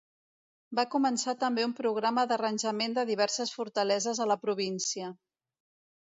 Va començar també un programa d'arranjament de diverses fortaleses a la província.